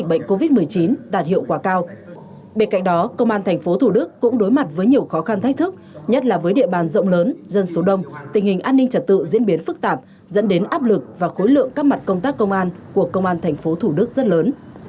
bên cạnh đó công an thành phố thủ đức cũng đối mặt với nhiều khó khăn thách thức nhất là với địa bàn rộng lớn dân số đông tình hình an ninh trật tự diễn biến phức tạp dẫn đến áp lực và khối lượng các mặt công tác công an của công an thành phố thủ đức rất lớn